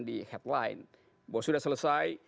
di headline bahwa sudah selesai